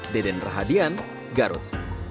deden rahadian garut